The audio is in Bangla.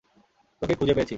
তোকে খুঁজে পেয়েছি।